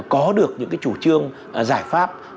có được những cái chủ trương giải pháp